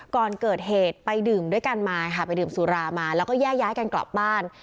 ก่อนเกิดเหตุไปดื่มด้วยกันมาค่ะไปดื่มสุรามาแล้วก็แยกย้ายกันกลับบ้าน